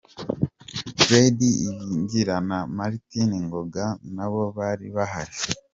Fred Ibingira na Martin Ngoga nabo bari bahari